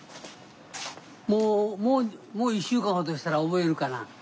もうもう１週間ほどしたら覚えるかな？